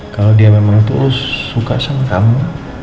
kalau dia memang terus suka sama kamu